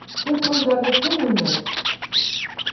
Төп ролдәрҙе кем уйнай?